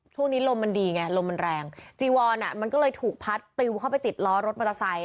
ช่วงนี้ลมมันดีไงลมมันแรงจีวอนอ่ะมันก็เลยถูกพัดติวเข้าไปติดล้อรถมัตตาไซส์